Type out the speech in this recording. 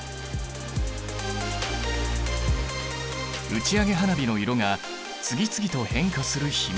打ち上げ花火の色が次々と変化する秘密。